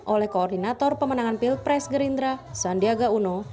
oleh koordinator pemenangan pilpres gerindra sandiaga uno